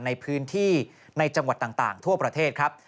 ในพื้นที่ในจังหวัดต่างทั่วประเทศครับ